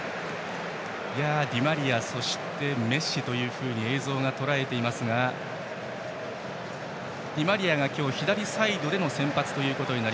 ディマリア、そしてメッシと映像がとらえていますがディマリアが今日左サイドでの先発です。